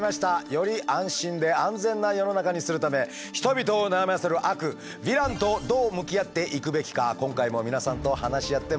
より安心で安全な世の中にするため人々を悩ませる悪ヴィランとどう向き合っていくべきか今回も皆さんと話し合ってまいりましょう。